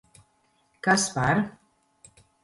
Kas par...